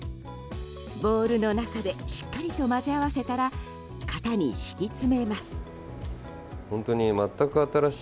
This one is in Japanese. ボウルの中でしっかりと混ぜ合わせたら型に敷き詰めます。